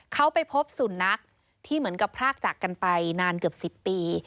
เขาไปพบสุนัขที่เหมือนกับพรากจากกันไปนานเกือบ๑๐ปี